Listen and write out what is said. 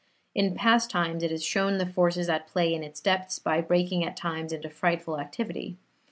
In past times it has shown the forces at play in its depths by breaking at times into frightful activity.